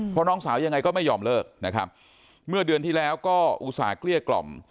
เพราะน้องสาวยังไงก็ไม่ยอมเลิกนะครับเมื่อเดือนที่แล้วก็อุตส่าหเกลี้ยกล่อม